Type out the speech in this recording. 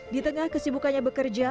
di tengah kesibukannya bekerja